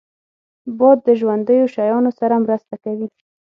باد د ژوندیو شیانو سره مرسته کوي